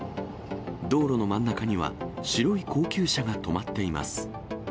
道路の真ん中には、白い高級車が止まっています。